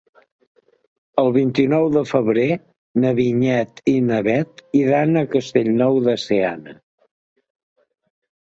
El vint-i-nou de febrer na Vinyet i na Bet iran a Castellnou de Seana.